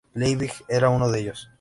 Liebig era uno de ellos.